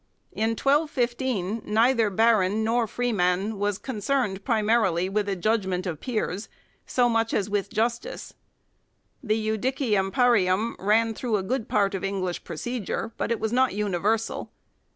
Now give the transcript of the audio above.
In 1215 neither baron nor freeman was concerned primarily with a judgment of peers so much as with justice. The "judicium parium" ran through a good part of English procedure, but was not universal.